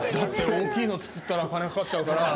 大きいの作ったら金かかっちゃうから。